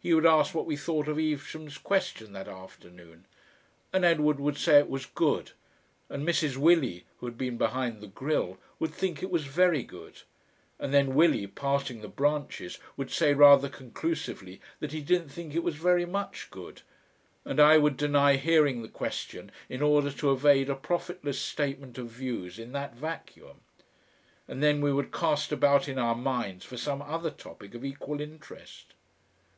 He would ask what we thought of Evesham's question that afternoon, and Edward would say it was good, and Mrs. Willie, who had been behind the grille, would think it was very good, and then Willie, parting the branches, would say rather conclusively that he didn't think it was very much good, and I would deny hearing the question in order to evade a profitless statement of views in that vacuum, and then we would cast about in our minds for some other topic of equal interest....